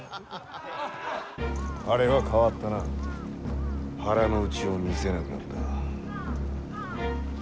あれは変わったな腹の内を見せなくなったな。